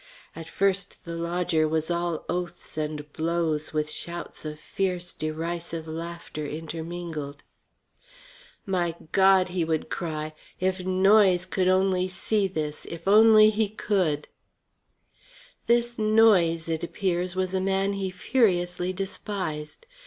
At first the lodger was all oaths and blows with shouts of fierce, derisive laughter intermingled. "My God!" he would cry. "If Noyes could only see this if he only could!" This Noyes, it appeared, was a man he furiously despised.